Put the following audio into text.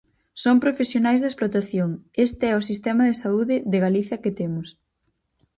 Son profesionais da explotación, este é o sistema de saúde de Galicia que temos.